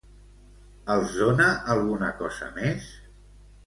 Els dóna alguna cosa més?